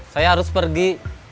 saya harus pergi